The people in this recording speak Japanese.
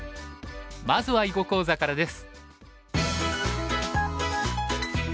まずは囲碁講座からです。